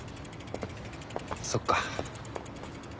そっか。